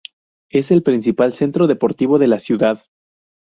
Es el principal centro deportivo de la ciudad.